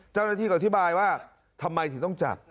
เจ้าหน้าที่ก็อธิบายว่าทำไมถึงต้องจับ